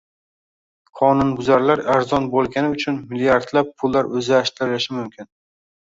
Qonunbuzarlar arzon bo'lgani uchun, milliardlab pullar o'zlashtirilishi mumkin